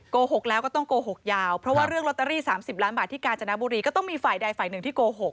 โกหกแล้วก็ต้องโกหกยาวเพราะว่าเรื่องลอตเตอรี่๓๐ล้านบาทที่กาญจนบุรีก็ต้องมีฝ่ายใดฝ่ายหนึ่งที่โกหก